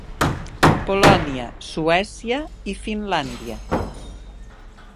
Polònia, Suècia i Finlàndia.